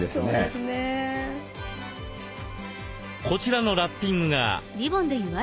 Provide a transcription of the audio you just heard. こちらのラッピングが。